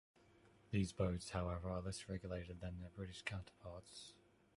These boats, however, are less regulated than their British counterparts.